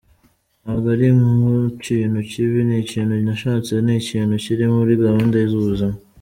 Ntabwo ari ikintu kibi, ni ikintu nashatse, ni ikintu kiri muri gahunda z’ubuzima.